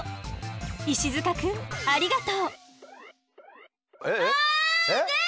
石塚くんありがとう。